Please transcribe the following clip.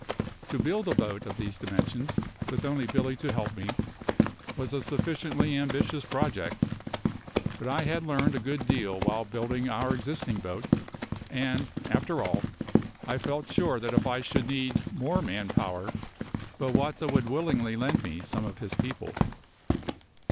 To build a boat of these dimensions, with only Billy to help me, was a sufficiently ambitious project; but I had learned a good deal while building our existing boat; and, after all, I felt sure that if I should need more manpower, Bowata would willingly lend me some of his people.